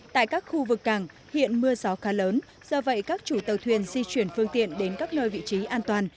tại các khu vực cảng hiện mưa gió khá lớn do vậy các chủ tàu thuyền di chuyển phương tiện đến các nơi vị trí an toàn